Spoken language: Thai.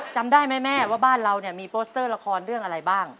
จำได้ไหมแม่ว่าบ้านเราเนี่ยมีโปสเตอร์ละครเรื่องอะไรบ้าง